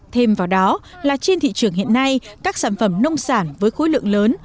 thêm vào đó là trên thị trường hiện nay các sản phẩm nông sản với khối lượng lớn